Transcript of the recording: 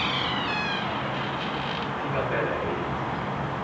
黐筋咩你